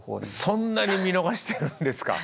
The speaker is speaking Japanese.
そんなに見逃してるんですか。